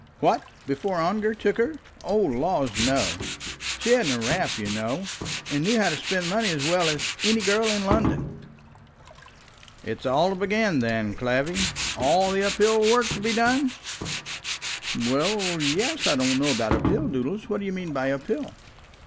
"What! before Ongar took her? O laws, no. She hadn't a rap, you know; and knew how to spend money as well as any girl in London." "It's all to begin then, Clavvy; all the up hill work to be done?" "Well, yes; I don't know about up hill, Doodles. What do you mean by up hill?"